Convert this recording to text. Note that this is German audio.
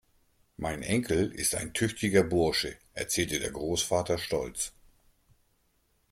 Mein Enkel ist ein tüchtiger Bursche, erzählte der Großvater stolz.